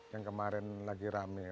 yang kemarin lagi rame